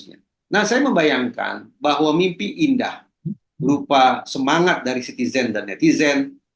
nah saya membayangkan bahwa mimpi indah berupa semangat dari citizen dan netizen